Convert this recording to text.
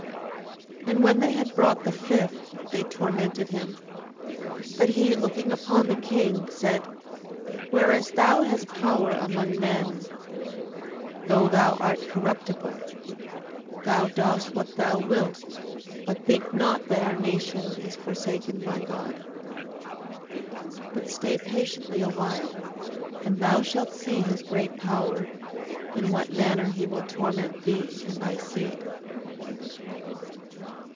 7:15. And when they had brought the fifth, they tormented him. But he, looking upon the king, 7:16. Said: Whereas thou hast power among men though thou art corruptible, thou dost what thou wilt but think not that our nation is forsaken by God. 7:17. But stay patiently a while, and thou shalt see his great power, in what manner he will torment thee and thy seed.